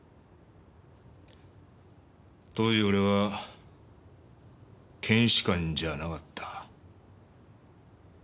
当時俺は検視官じゃなかった。